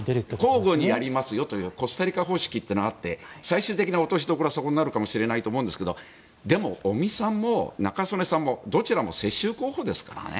交互にやりますよというコスタリカ方式があって最終的な落としどころはそこになるかもしれませんが尾身さんも中曽根さんも世襲候補ですからね。